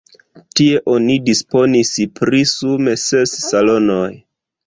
Tie oni disponis pri sume ses salonoj.